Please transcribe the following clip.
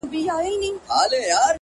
خو دې زما د مرگ د اوازې پر بنسټ;